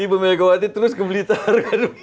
ibu megawati terus ke blitar